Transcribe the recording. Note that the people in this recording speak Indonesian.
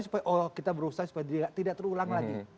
supaya kita berusaha supaya tidak terulang lagi